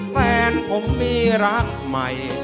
แฟนผมมีรักใหม่